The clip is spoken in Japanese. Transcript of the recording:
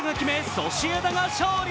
ソシエダが勝利。